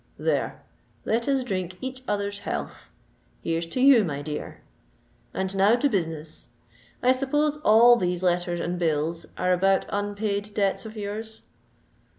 There—let us drink each other's health. Here's to you, my dear. And now to business. I suppose all these letters and bills are about unpaid debts of yours?"